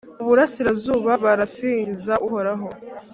Mu burasirazuba barasingiza Uhoraho,